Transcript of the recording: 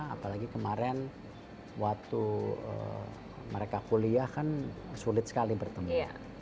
apalagi kemarin waktu mereka kuliah kan sulit sekali bertemu